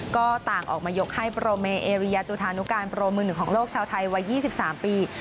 ก็ต่างออกมายกให้โปรเมเอเรียจุธานุการโปรมือหนึ่งของโลกชาวไทยวัย๒๓ปี